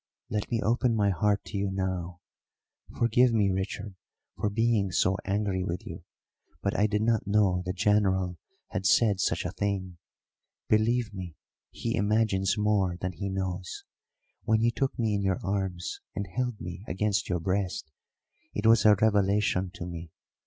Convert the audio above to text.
"Let me open my heart to you now. Forgive me, Richard, for being so angry with you, but I did not know the General had said such a thing. Believe me, he imagines more than he knows. When you took me in your arms and held me against your breast it was a revelation to me.